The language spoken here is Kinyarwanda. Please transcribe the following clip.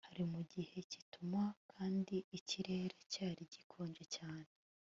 Hari mu gihe cyitumba kandi ikirere cyari gikonje cyane